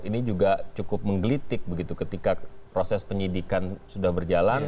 ini juga cukup menggelitik begitu ketika proses penyidikan sudah berjalan